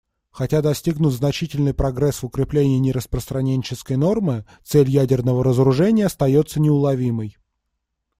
Хотя достигнут значительный прогресс в укреплении нераспространенческой нормы, цель ядерного разоружения остается неуловимой.